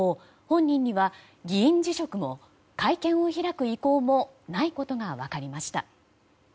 本人には議員辞職も会見を開く意向もないことが分かりました。